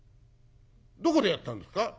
「どこでやったんですか？」。